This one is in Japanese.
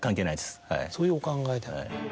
そういうお考えで。